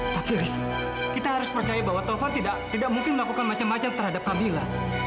tapi riz kita harus percaya bahwa taufan tidak mungkin melakukan macam macam terhadap kamila